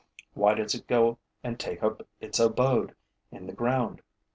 Why does it go and take up its abode in the ground?